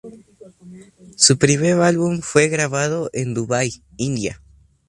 Su primer álbum fue grabado en Dubái, India.